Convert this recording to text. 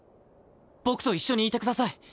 僕と一緒にいてください。